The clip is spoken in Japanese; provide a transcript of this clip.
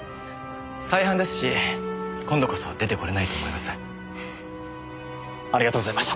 再犯ですし今度こそ出て来れないと思います。